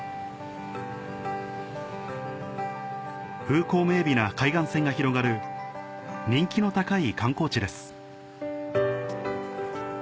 風光明媚な海岸線が広がる人気の高い観光地です